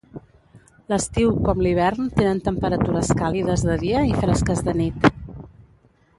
L'estiu com l'hivern tenen temperatures càlides de dia i fresques de nit.